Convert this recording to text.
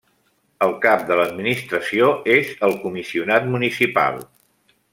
El cap de l'administració és el Comissionat Municipal.